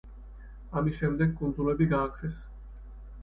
ამის შემდეგ კუნძულები გააქრეს.